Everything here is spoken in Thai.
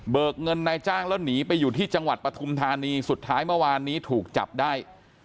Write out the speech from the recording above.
เงินนายจ้างแล้วหนีไปอยู่ที่จังหวัดปฐุมธานีสุดท้ายเมื่อวานนี้ถูกจับได้